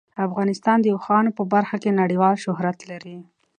افغانستان د اوښانو په برخه کې نړیوال شهرت لري.